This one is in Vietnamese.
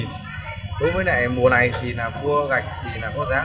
đối với lại mùa này thì cua gạch có giá bốn trăm linh đến bốn trăm năm mươi một cân